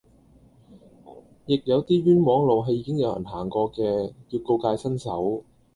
亦有啲冤枉路係已經有人行過嘅要告誡新手